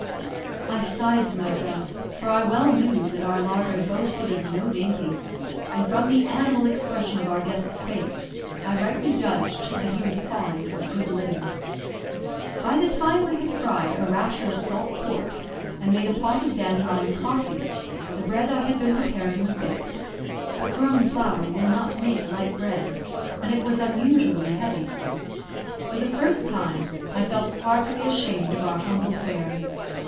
I sighed to myself, for I well knew that our larder boasted of no dainties; and from the animal expression of our guest's face, I rightly judged that he was fond of good living. By the time I had fried a rasher of salt pork, and made a pot of dandelion coffee, the bread I had been preparing was baked; but grown flour will not make light bread, and it was unusually heavy. For the first time I felt heartily ashamed of our humble fare.